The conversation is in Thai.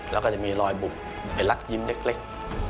แล้วก็จะมีรอยบุบไอ้รักยิ้มเล็ก